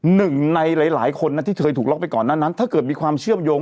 หนึ่งในหลายหลายคนนะที่เคยถูกล็อกไปก่อนหน้านั้นถ้าเกิดมีความเชื่อมโยง